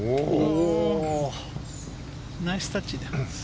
ナイスタッチです。